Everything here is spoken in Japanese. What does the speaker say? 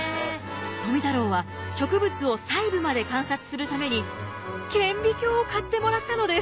富太郎は植物を細部まで観察するために顕微鏡を買ってもらったのです。